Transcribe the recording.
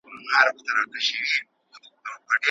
تر سبا به نوي پانګه بازار ته رسیدلې وي.